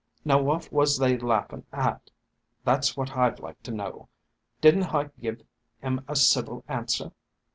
Now wot was they laughin' hat, that 's wot Hi 'd like to know? Did n't Hi give 'em a civil answer?